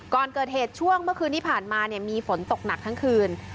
ก่อนเกิดเหตุช่วงเมื่อคืนที่ผ่านมามีฝนตกหนักทั้งคืน